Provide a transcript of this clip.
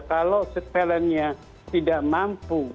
kalau surveillance nya tidak mampu menangkap kasus deklarasi